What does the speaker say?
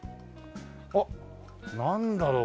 あっなんだろう？